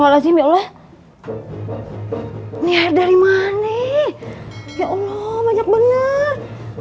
ngilang nih wrestle madem ya allahif kemran nih ya allah banyak banget